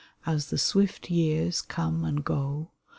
As the swift years come and go.